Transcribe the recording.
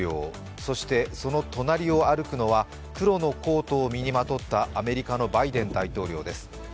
そしてその隣を歩くのは黒のコートを身にまとうアメリカのバイデン大統領です。